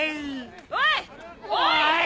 おい！